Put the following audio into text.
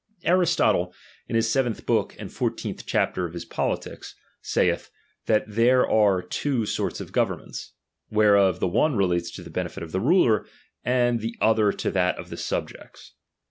Aristotle, in his seventh book and fourteenth 7" chapter of his Politics, saith, that there are two |* sorts of governments ; whereof the one relates to ■" the benefit of the ruler, the other to that of the snhjects.